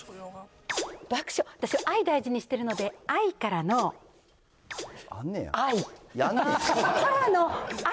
爆笑、私、愛大事にしてるので、愛からの愛。